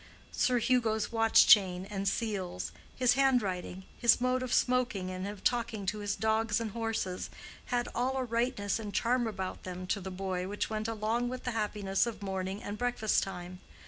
Sir Hugo's watch chain and seals, his handwriting, his mode of smoking and of talking to his dogs and horses, had all a rightness and charm about them to the boy which went along with the happiness of morning and breakfast time.